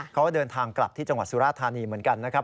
เขาเดินทางกลับที่จังหวัดสุราธานีเหมือนกันนะครับ